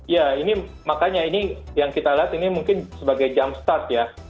ya ini makanya ini yang kita lihat ini mungkin sebagai jump start ya